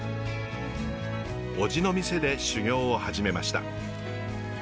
叔父の店で修業を始めました。